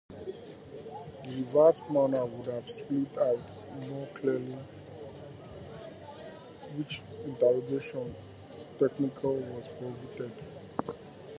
The revised manual would have spelled out more clearly which interrogation techniques were prohibited.